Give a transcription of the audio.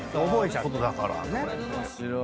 面白い。